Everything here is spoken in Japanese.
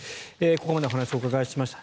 ここまでお話をお伺いしました。